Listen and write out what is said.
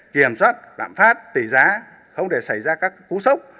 kiểm soát lạm phát tỷ giá không để xảy ra các cú sốc